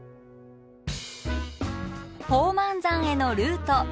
宝満山へのルート。